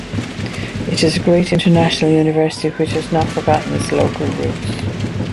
It is a great international university which has not forgotten its local roots.